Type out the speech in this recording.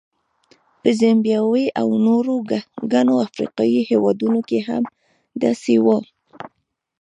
په زیمبابوې او نورو ګڼو افریقایي هېوادونو کې هم داسې وو.